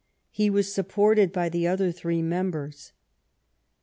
He was supported by the other three members.